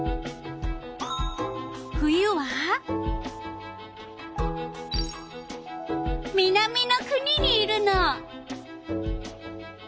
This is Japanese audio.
冬は南の国にいるの。